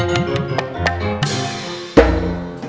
lagi cari cari lowongan kerja juga